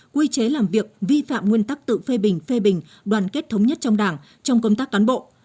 quy chế làm việc vi phạm nguyên tắc tự phê bình phê bình đoàn kết thống nhất trong đảng trong công tác cán bộ